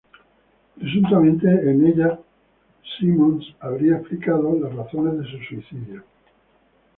Presuntamente en ellas Simons habría explicado las razones de su suicidio.